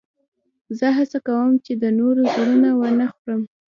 زه هڅه کوم، چي د نورو زړونه و نه خورم.